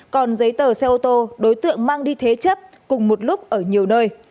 còn giấy tờ xe ô tô đối tượng mang đi thế chấp cùng một lúc ở nhiều nơi